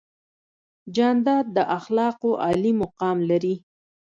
جانداد د اخلاقو عالي مقام لري.